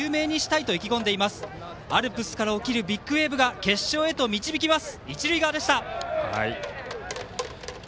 アルプスから起きる「ＢＩＧＷＡＶＥ」が決勝へと導きます。